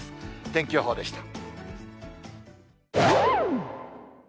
天気予報でした。